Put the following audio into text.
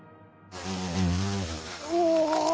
お。